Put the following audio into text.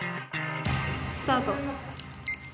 スタート。